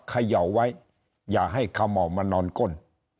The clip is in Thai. เขย่าไว้อย่าให้เขม่ามานอนก้น